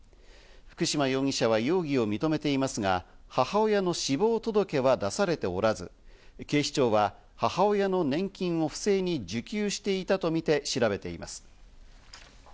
福島容疑者は容疑を認めていますが、母親の死亡届は出されておらず、警視庁は母親の年金を不正に受給していたとみて調べています。